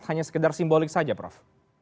hanya sekedar simbolik saja prof